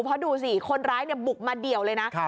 เพราะดูสิคนร้ายบุกมาเดี่ยวเลยนะ